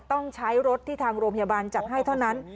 ต้องใช้รถที่ทางโรงพยาบาลจัดให้เท่านั้น